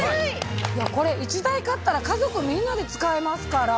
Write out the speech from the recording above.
これ１台買ったら家族みんなで使えますから。